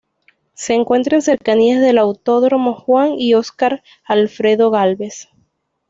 Se encuentra en cercanías del Autódromo Juan y Oscar Alfredo Gálvez.